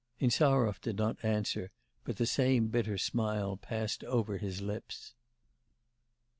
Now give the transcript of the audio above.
Insarov did not answer, but the same bitter smile passed over his lips.